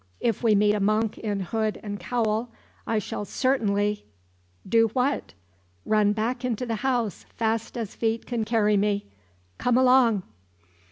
If we meet a monk in hood and cowl, I shall certainly " "Do what?" "Run back into the house fast as feet can carry me. Come along!"